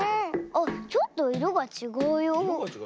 あっちょっといろがちがうよほら。